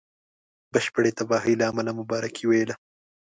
بشپړي تباهی له امله مبارکي وویله.